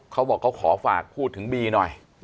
เขาบอกเขาขอฝากพูดถึงบีหน่อย